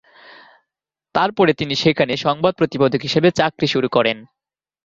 তারপরে, তিনি সেখানে সংবাদ প্রতিবেদক হিসাবে চাকরি শুরু করেন।